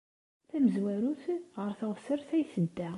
Tamezwarut, ɣer teɣsert ay tedda.